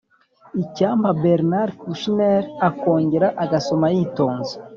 icyampa bernard kouchner akongera agasoma yitonze